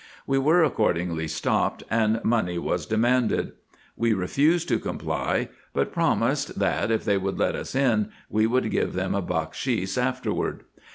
We were accordingly stopped, and money was demanded. IN EGYPT, NUBIA, &c 217 We refused to comply, but promised, that, if they would let us in, we would give them a bakshis afterward.